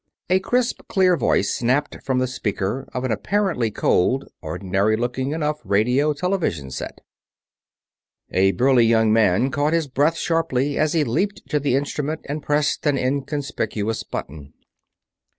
a crisp, clear voice snapped from the speaker of an apparently cold, ordinary enough looking radio television set. A burly young man caught his breath sharply as he leaped to the instrument and pressed an inconspicuous button.